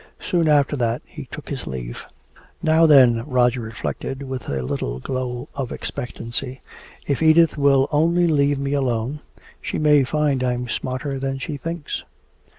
Soon after that he took his leave. "Now then," Roger reflected, with a little glow of expectancy, "if Edith will only leave me alone, she may find I'm smarter then she thinks!"